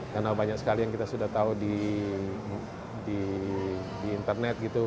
karena banyak sekali yang kita sudah tahu di internet gitu